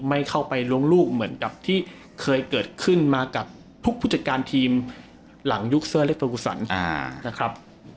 ไม่เข้าไปล้วงลูกเหมือนกับที่เคยเกิดขึ้นมากับทุกผู้จัดการทีมหลังยุคเซอร์เล็กเฟอร์กูสันนะครับ